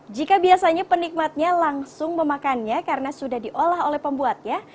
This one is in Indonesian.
jika biasanya penikmatnya langsung memakannya karena sudah diolah oleh pembuatnya